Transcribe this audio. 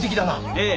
ええ。